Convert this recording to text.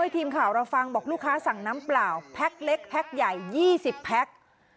ทีมข่าวเราฟังบอกลูกค้าสั่งน้ำเปล่าแพ็คเล็กแพ็คใหญ่๒๐แพ็ค